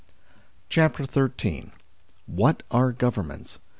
CHAPTER XIII WHAT ARE GOVERNMENTS